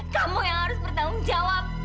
kamu yang harus bertanggung jawab